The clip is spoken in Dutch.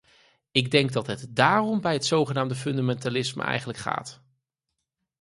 Ik denk dat het daarom bij het zogenaamde fundamentalisme eigenlijk gaat.